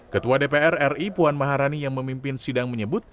ketua dpr ri puan maharani yang memimpin sidang menyebut